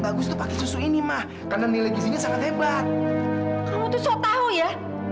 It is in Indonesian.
bagus tuh pakai susu ini mah karena nilai gizinya sangat hebat kamu tuh saya tahu ya